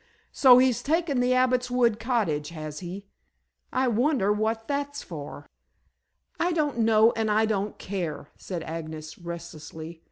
"So he's taken the Abbot's Wood Cottage, has he? I wonder what that's for?" "I don't know, and I don't care," said Agnes restlessly.